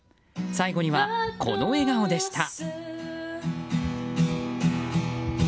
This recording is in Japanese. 最後には、この笑顔でした。